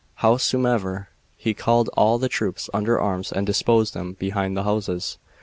Howsumever, he called all the troops under arms and disposed 'em behind the houses.